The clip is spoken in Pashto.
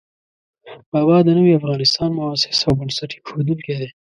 بابا د نوي افغانستان مؤسس او بنسټ اېښودونکی دی.